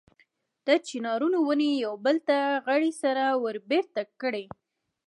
د چنارونو ونې یو بل ته غړۍ سره وربېرته کړي.